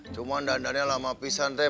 cuma dandannya lama pisah teh